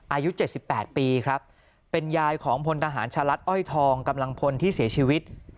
อายุ๗๘ปีครับเป็นยายของพลทหารชะลัดอ้อยทองกำลังพลที่เสียชีวิต